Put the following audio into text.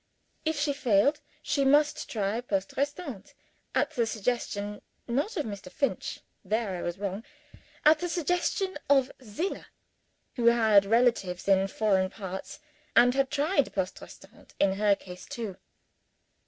If she failed she must try Poste Restante, at the suggestion (not of Mr. Finch there I was wrong) at the suggestion of Zillah, who had relatives in foreign parts, and had tried Poste Restante in her case too.